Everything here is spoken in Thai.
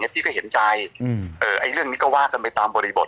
พี่ก็เห็นใจเรื่องนี้ก็ว่ากันไปตามบริบท